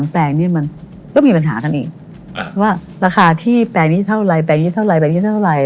แปลงนี่มันก็มีปัญหากันอีกว่าราคาที่แปลงนี้เท่าไรแปลงนี้เท่าไรแบบนี้เท่าไหร่